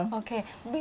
macem macem deh gitu